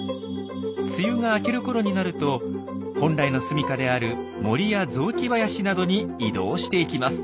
梅雨が明けるころになると本来のすみかである森や雑木林などに移動していきます。